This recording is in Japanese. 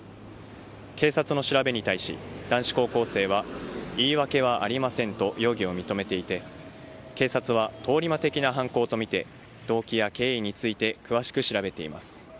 警察の調べに対し、男子高校生は言い訳はありませんと容疑を認めていて警察は通り魔的な犯行とみて動機や経緯について詳しく調べています。